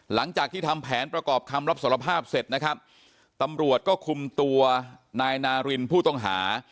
หลังจากที่ทำแผนประกอบคำรับสารภาพเสร็จนะครับตำรวจก็คุมตัวนายนารินผู้ต้องหา